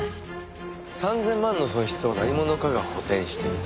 ３０００万の損失を何者かが補填していた。